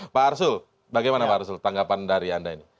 pak arsul bagaimana pak arsul tanggapan dari anda ini